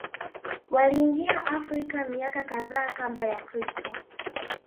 Waliingia Afrika miaka kadhaa Kabla ya Kristo